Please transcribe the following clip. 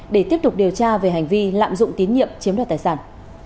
để tiếp tục điều tra về hành vi lạm dụng tín nhiệm chiếm đoạt tài sản